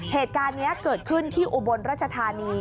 เหตุการณ์นี้เกิดขึ้นที่อุบลราชธานี